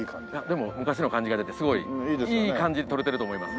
でも昔の感じが出てすごいいい感じに撮れてると思います。